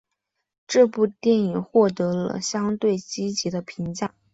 这部电影获得了相当积极的评价。